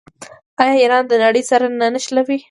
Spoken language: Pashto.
آیا ایران د نړۍ سره نه نښلوي؟